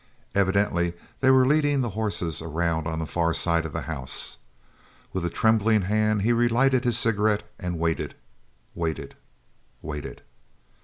Evidently they were leading the horses around on the far side of the house. With a trembling hand he relighted his cigarette and waited, waited, waited.